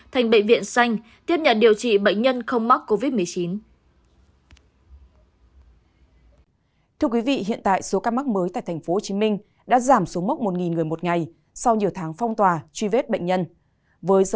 thành bệnh viện xanh tiếp nhận điều trị bệnh nhân không mắc covid một mươi chín